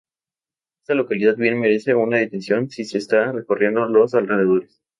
Esta localidad bien merece una detención si se está recorriendo los alrededores.